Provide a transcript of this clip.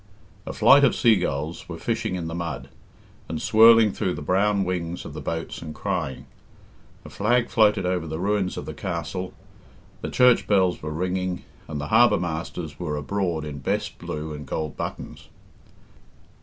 A flight of seagulls were fishing in the mud, and swirling through the brown wings of the boats and crying. A flag floated over the ruins of the castle, the church bells were ringing, and the harbour masters were abroad in best blue and gold buttons.